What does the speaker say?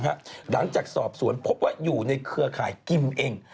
หลังจากสอบสวนพบว่าอยู่ในเครือข่ายกิมเอง